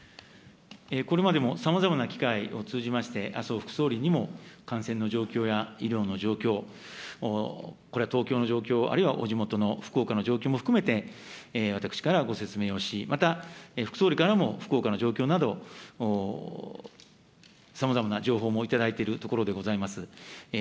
これまでもさまざまな機会を通じまして、麻生副総理にも感染の状況や医療の状況、これは東京の状況、あるいはお地元の福岡の状況も含めて、私からご説明をし、また副総理からも福岡の状況など、さまざまな情報もいただいているところでございます。